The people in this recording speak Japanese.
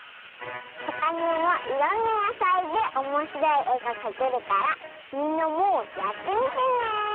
ほかにもいろんなやさいでおもしろいえがかけるからみんなもやってみてね！